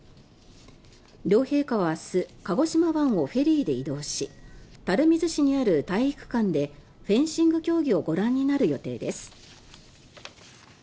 両陛下は明日鹿児島湾をフェリーで移動し垂水市にある体育館でフェンシング競技をご覧になる予定です。